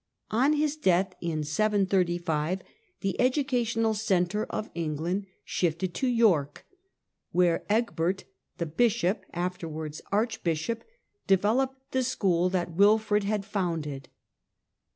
On his death, in 735, the educational centre of England shifted to York, where Egbert, the bishop (afterwards archbishop), developed the school that Wilfred had founded.